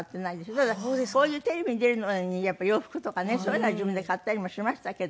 ただこういうテレビに出るのに洋服とかねそういうのは自分で買ったりもしましたけど。